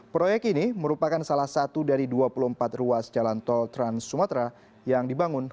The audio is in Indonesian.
proyek ini merupakan salah satu dari dua puluh empat ruas jalan tol trans sumatera yang dibangun